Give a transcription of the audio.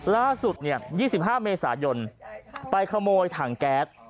ล่าสุดเนี่ยยี่สิบห้าเมษายนไปขโมยถังแก๊ส